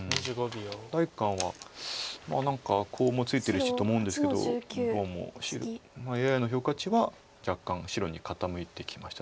第一感はまあ何かコウもついてるしと思うんですけどどうもＡＩの評価値は若干白に傾いてきました。